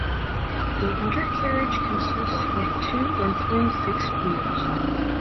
The undercarriage consists of two or three fixed wheels.